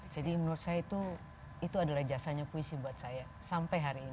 jadi menurut saya itu adalah jasanya puisi buat saya sampai hari ini